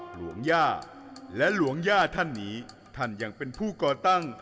หลวงย่าและหลวงย่าท่านนี้ท่านยังเป็นผู้ก่อตั้ง